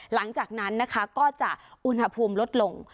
หลังจากนั้นนะคะก็จะอุณหภูมิลดลง